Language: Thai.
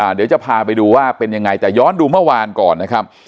เดี๋ยวจะพาไปดูว่าเป็นยังไงแต่ย้อนดูเมื่อวานก่อนนะครับ